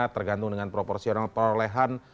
tergantung dengan proporsional perolehan